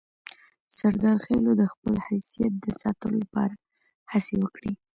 سردارخېلو د خپل حیثیت د ساتلو لپاره هڅې وکړې.